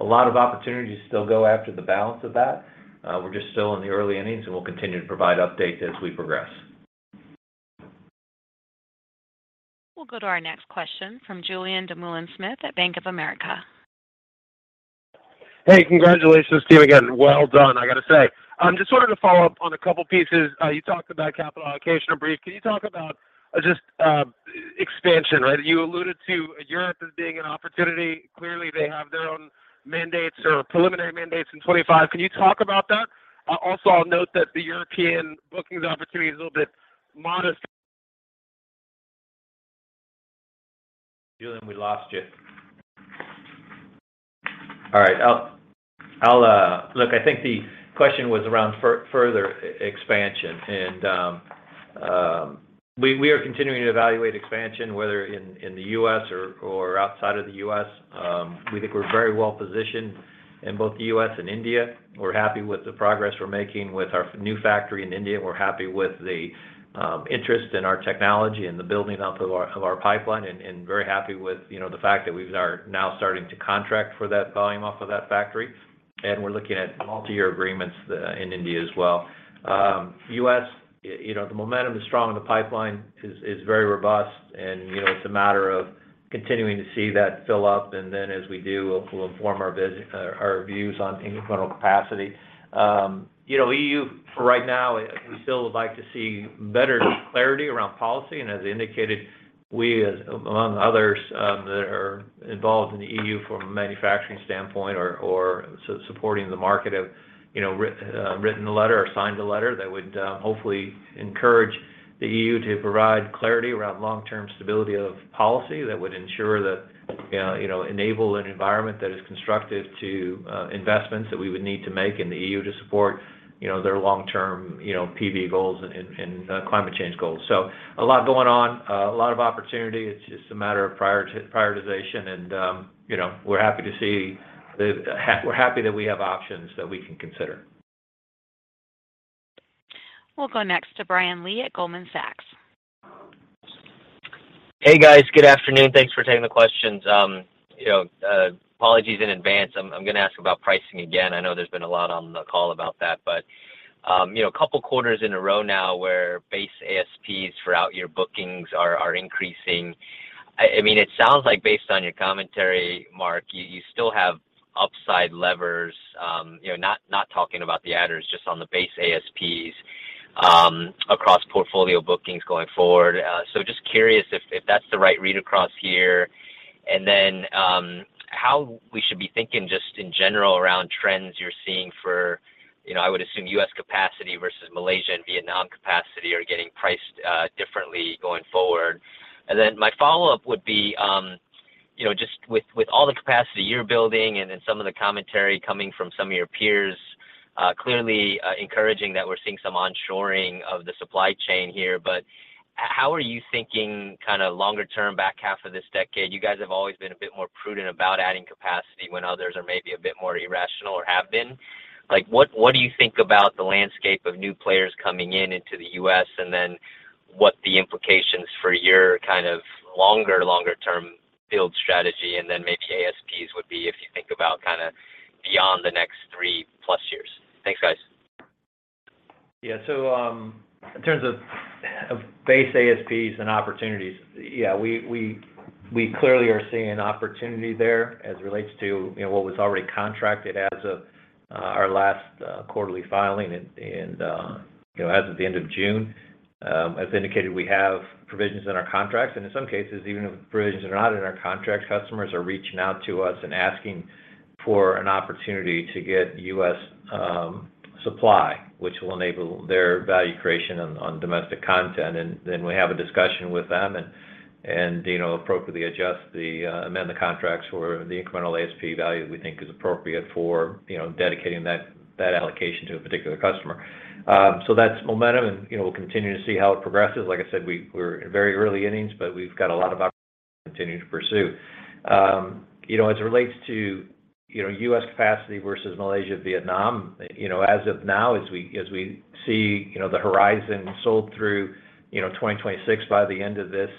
Speaker 3: A lot of opportunity to still go after the balance of that. We're just still in the early innings, and we'll continue to provide updates as we progress.
Speaker 1: We'll go to our next question from Julien Dumoulin-Smith at Bank of America.
Speaker 8: Hey, congratulations to you again. Well done, I gotta say. Just wanted to follow up on a couple pieces. You talked about capital allocation briefly. Can you talk about just expansion, right? You alluded to Europe as being an opportunity. Clearly, they have their own mandates or preliminary mandates in 2025. Can you talk about that? Also I'll note that the European bookings opportunity is a little bit modest.
Speaker 3: Julien, we lost you. All right. Look, I think the question was around further expansion, and we are continuing to evaluate expansion, whether in the U.S. or outside of the U.S. We think we're very well positioned in both the U.S. and India. We're happy with the progress we're making with our new factory in India. We're happy with the interest in our technology and the building out of our pipeline and very happy with, you know, the fact that we are now starting to contract for that volume off of that factory. We're looking at multi-year agreements in India as well. U.S., you know, the momentum is strong and the pipeline is very robust and, you know, it's a matter of continuing to see that fill up. As we do, we'll inform our views on incremental capacity. You know, EU for right now, we still would like to see better clarity around policy. As indicated, we among others that are involved in the EU from a manufacturing standpoint or supporting the market have, you know, written a letter or signed a letter that would hopefully encourage the EU to provide clarity around long-term stability of policy that would ensure that, you know, enable an environment that is constructive to investments that we would need to make in the EU to support, you know, their long-term, you know, PV goals and climate change goals. A lot going on, a lot of opportunity. It's just a matter of prioritization and, you know, we're happy that we have options that we can consider.
Speaker 1: We'll go next to Brian Lee at Goldman Sachs.
Speaker 9: Hey guys. Good afternoon. Thanks for taking the questions. You know, apologies in advance. I'm gonna ask about pricing again. I know there's been a lot on the call about that, but you know, a couple quarters in a row now where base ASPs for out year bookings are increasing. I mean, it sounds like based on your commentary, Mark, you still have upside levers, you know, not talking about the adders, just on the base ASPs, across portfolio bookings going forward. So just curious if that's the right read across here. How we should be thinking just in general around trends you're seeing for, you know, I would assume U.S. capacity versus Malaysia and Vietnam capacity are getting priced differently going forward. My follow-up would be, you know, just with all the capacity you're building and then some of the commentary coming from some of your peers, clearly encouraging that we're seeing some onshoring of the supply chain here. How are you thinking kinda longer term back half of this decade? You guys have always been a bit more prudent about adding capacity when others are maybe a bit more irrational or have been. Like, what do you think about the landscape of new players coming in into the U.S. and then what the implications for your kind of longer term build strategy and then maybe ASPs would be if you think about kinda beyond the next three plus years? Thanks, guys.
Speaker 3: Yeah. In terms of base ASPs and opportunities, yeah, we clearly are seeing an opportunity there as it relates to, you know, what was already contracted as of our last quarterly filing and, you know, as of the end of June. As indicated, we have provisions in our contracts and in some cases, even if provisions are not in our contract, customers are reaching out to us and asking for an opportunity to get U.S. supply, which will enable their value creation on domestic content. Then we have a discussion with them and, you know, appropriately amend the contracts for the incremental ASP value we think is appropriate for, you know, dedicating that allocation to a particular customer. That's momentum and, you know, we'll continue to see how it progresses. Like I said, we're in very early innings, but we've got a lot of opportunities to continue to pursue. You know, as it relates to U.S. capacity versus Malaysia, Vietnam, you know, as of now, as we see, you know, the horizon sold through 2026 by the end of this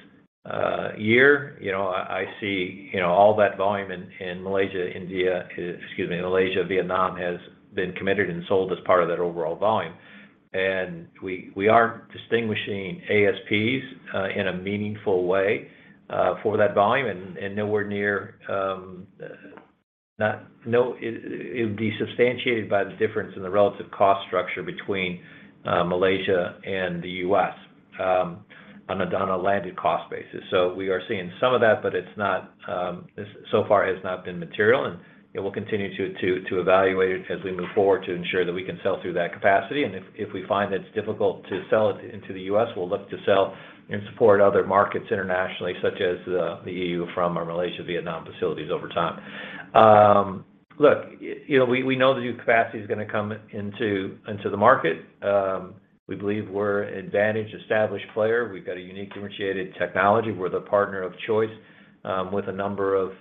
Speaker 3: year, you know, I see, you know, all that volume in Malaysia, Vietnam has been committed and sold as part of that overall volume. We aren't distinguishing ASPs in a meaningful way for that volume and nowhere near. No, it would be substantiated by the difference in the relative cost structure between Malaysia and the U.S. on a landed cost basis. We are seeing some of that, but it's not material so far, and we'll continue to evaluate it as we move forward to ensure that we can sell through that capacity. If we find that it's difficult to sell it into the U.S., we'll look to sell and support other markets internationally, such as the EU from our Malaysia, Vietnam facilities over time. Look, you know, we know the new capacity is gonna come into the market. We believe we're an advantaged established player. We've got a unique differentiated technology. We're the partner of choice with a number of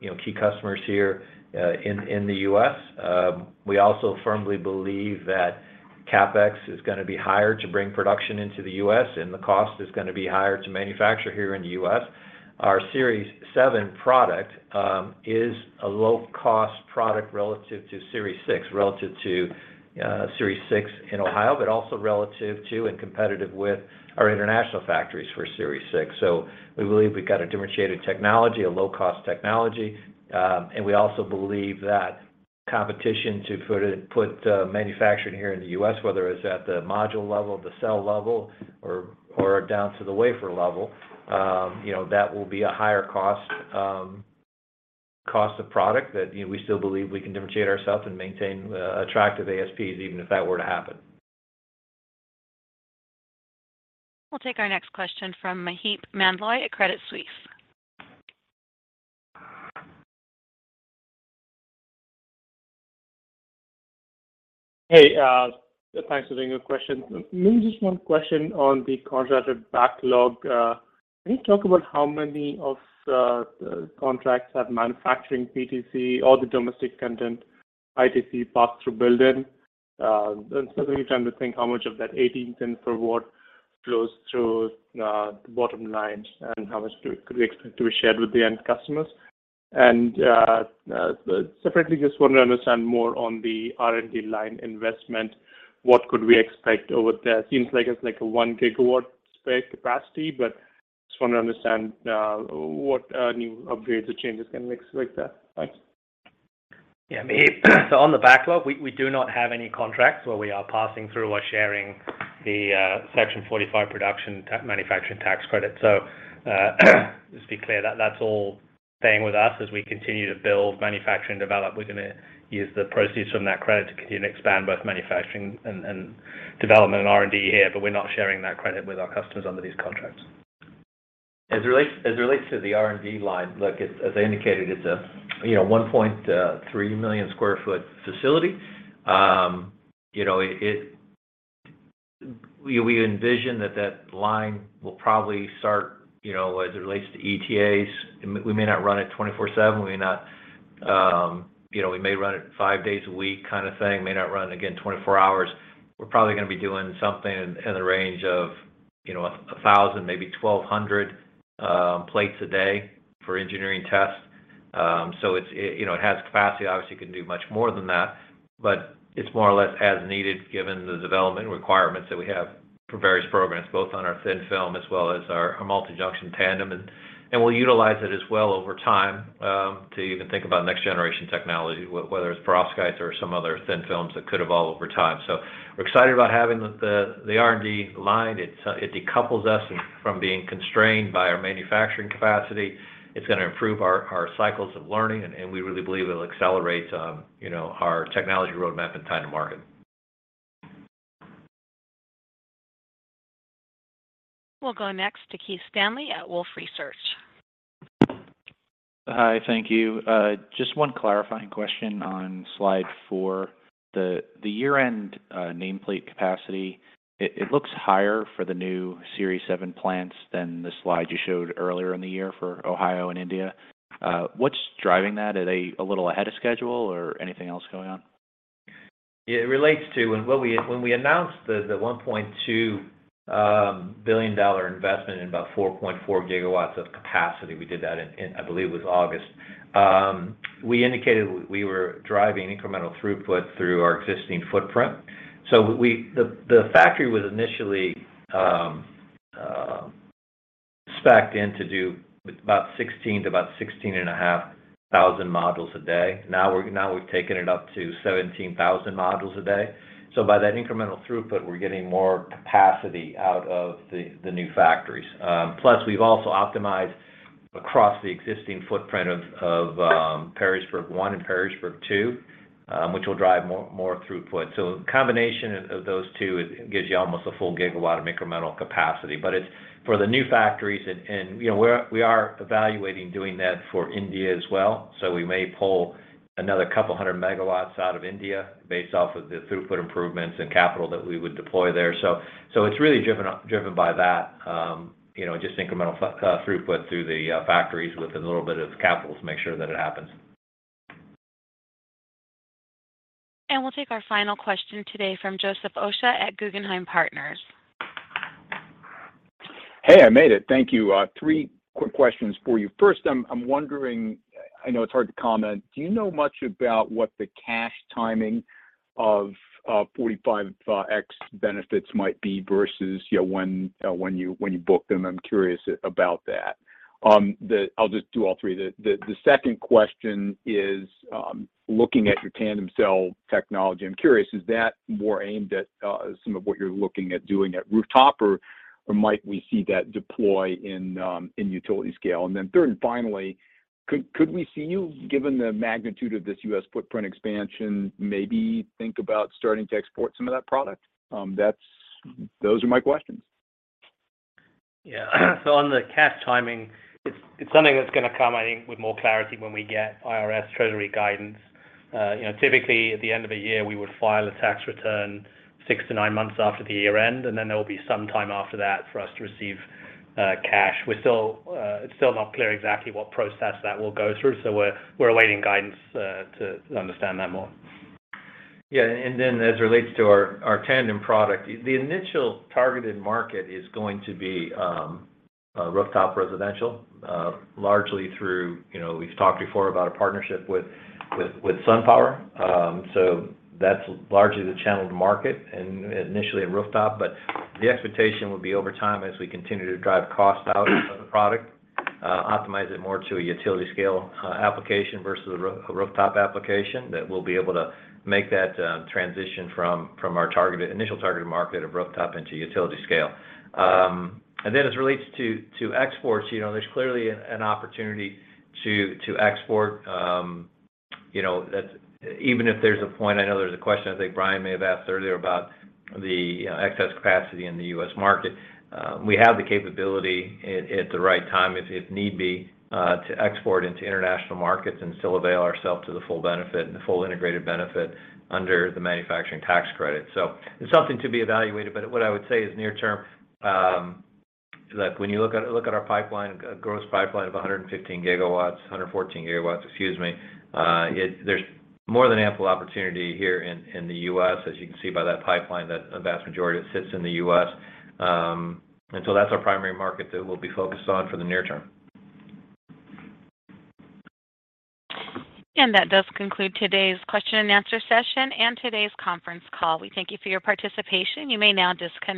Speaker 3: you know key customers here in the U.S. We also firmly believe that CapEx is gonna be higher to bring production into the U.S., and the cost is gonna be higher to manufacture here in the U.S. Our Series 7 product is a low-cost product relative to Series 6, relative to Series 6 in Ohio, but also relative to and competitive with our international factories for Series 6. We believe we've got a differentiated technology, a low-cost technology, and we also believe that competition to put manufacturing here in the U.S., whether it's at the module level, the cell level, or down to the wafer level, you know, that will be a higher cost of product that, you know, we still believe we can differentiate ourselves and maintain attractive ASPs even if that were to happen.
Speaker 1: We'll take our next question from Maheep Mandloi at Credit Suisse.
Speaker 10: Hey, thanks for taking the question. Maybe just one question on the contracted backlog. Can you talk about how many of the contracts have manufacturing PTC or the domestic content ITC passed through building? I'm trying to think how much of that $0.18 per watt flows through the bottom line and how much could we expect to be shared with the end customers. Separately, just want to understand more on the R&D line investment. What could we expect over there? Seems like it's like a 1 GW spare capacity, but just want to understand what new upgrades or changes can we expect there. Thanks.
Speaker 4: Yeah. On the backlog, we do not have any contracts where we are passing through or sharing the Section 45X manufacturing tax credit. Just to be clear, that's all staying with us as we continue to build, manufacture, and develop. We're gonna use the proceeds from that credit to continue to expand both manufacturing and development and R&D here, but we're not sharing that credit with our customers under these contracts.
Speaker 3: As it relates to the R&D line, as I indicated, it's a you know 1.3 million sq ft facility. You know, we envision that line will probably start, you know, as it relates to ETAs, we may not run it 24/7. We may not. You know, we may run it five days a week kind of thing, may not run, again, 24 hours. We're probably gonna be doing something in the range of, you know, 1,000, maybe 1,200 plates a day for engineering tests. So it you know has capacity, obviously can do much more than that, but it's more or less as needed given the development requirements that we have for various programs, both on our thin film as well as our multi-junction tandem. We'll utilize it as well over time to even think about next generation technology, whether it's perovskites or some other thin films that could evolve over time. We're excited about having the R&D lined. It decouples us from being constrained by our manufacturing capacity. It's gonna improve our cycles of learning, and we really believe it'll accelerate, you know, our technology roadmap and time to market.
Speaker 1: We'll go next to Keith Stanley at Wolfe Research.
Speaker 11: Hi, thank you. Just one clarifying question on slide four. The year-end nameplate capacity, it looks higher for the new Series 7 plants than the slide you showed earlier in the year for Ohio and India. What's driving that? Are they a little ahead of schedule or anything else going on?
Speaker 3: It relates to when we announced the $1.2 billion investment in about 4.4 GW of capacity. We did that in, I believe it was August. We indicated we were driving incremental throughput through our existing footprint. The factory was initially spec-ed in to do about 16,000 to about 16,500 modules a day. Now we've taken it up to 17,000 modules a day. By that incremental throughput, we're getting more capacity out of the new factories. Plus we've also optimized across the existing footprint of Perrysburg One and Perrysburg Two, which will drive more throughput. Combination of those two gives you almost a full gigawatt of incremental capacity. For the new factories, you know, we are evaluating doing that for India as well. We may pull another 200 MW out of India based off of the throughput improvements and capital that we would deploy there. It's really driven by that, you know, just incremental throughput through the factories with a little bit of capital to make sure that it happens.
Speaker 1: We'll take our final question today from Joseph Osha at Guggenheim Partners.
Speaker 12: Hey, I made it. Thank you. Three quick questions for you. First, I'm wondering, I know it's hard to comment. Do you know much about what the cash timing of 45X benefits might be versus, you know, when you book them? I'm curious about that. I'll just do all three. The second question is, looking at your tandem cell technology, I'm curious, is that more aimed at some of what you're looking at doing at rooftop? Or might we see that deploy in utility scale? Then third and finally, could we see you, given the magnitude of this U.S. footprint expansion, maybe think about starting to export some of that product? Those are my questions.
Speaker 4: On the cash timing, it's something that's gonna come, I think, with more clarity when we get IRS Treasury guidance. You know, typically, at the end of a year, we would file a tax return 6-9 months after the year-end, and then there will be some time after that for us to receive cash. We're still, it's still not clear exactly what process that will go through, so we're awaiting guidance to understand that more.
Speaker 3: Yeah. Then as it relates to our tandem product, the initial targeted market is going to be rooftop residential, largely through, you know, we've talked before about a partnership with SunPower. That's largely the channeled market and initially in rooftop. The expectation would be over time, as we continue to drive costs out of the product, optimize it more to a utility scale application versus a rooftop application, that we'll be able to make that transition from our targeted initial targeted market of rooftop into utility scale. As it relates to exports, you know, there's clearly an opportunity to export, you know, even if there's a point. I know there's a question I think Brian may have asked earlier about the, you know, excess capacity in the U.S. market. We have the capability at the right time if need be to export into international markets and still avail ourselves to the full benefit and the full integrated benefit under the manufacturing tax credit. It's something to be evaluated, but what I would say is near term, like when you look at our pipeline, gross pipeline of 115 GW, 114 GW, excuse me, there's more than ample opportunity here in the U.S., as you can see by that pipeline, that a vast majority of it sits in the U.S. And so that's our primary market that we'll be focused on for the near term.
Speaker 1: That does conclude today's question and answer session and today's conference call. We thank you for your participation. You may now disconnect.